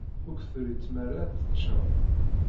Ur k-terri tmara ad t-tecceḍ.